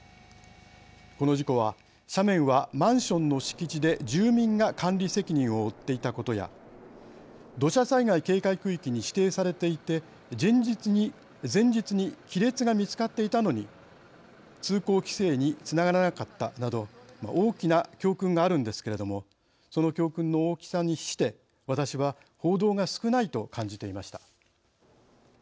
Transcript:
この事故は斜面はマンションの敷地で住民が管理責任を負っていたことや土砂災害警戒区域に指定されていて前日に亀裂が見つかっていたのに通行規制につながらなかったなど大きな教訓があるんですけれどもその教訓の大きさにして私は報道が少ないと感じていました。